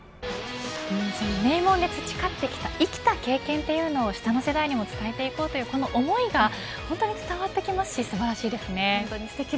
名門で培ってきた生きた経験というのを下の世代にも伝えていこうという思いが本当に伝わってきますし素晴らしいです。